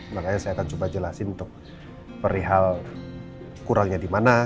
makanya saya akan coba jelasin untuk perihal kurangnya di mana